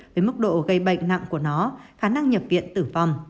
về mức độ gây bệnh nặng của nó khả năng nhập viện tử phòng